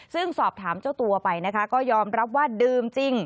ซึ่งสอบถามเจ้าตัวไปนะคะก็ยอมรับว่าดื่มจริง